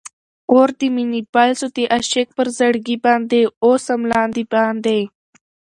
اور د مینی بل سو د عاشق پر زړګي باندي، اوسوم لاندی باندي